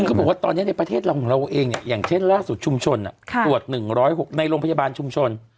เขาบอกว่าตอนนี้ในประเทศเราของเราเองเนี่ยอย่างเช่นล่าสุดชุมชนตรวจ๑๐๖ในโรงพยาบาลชุมชน